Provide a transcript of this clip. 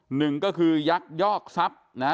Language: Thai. หนึ่งก็คือยักยอกทรัพย์นะฮะ